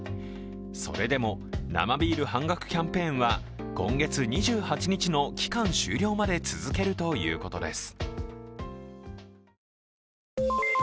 それでも、生ビール半額キャンペーンは今月２８日の期間終了まで続けるということです。